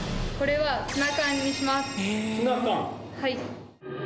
はい。